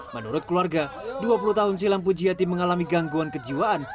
menurut keluarga dua puluh tahun silam pujiati mengalami gangguan kejiwaan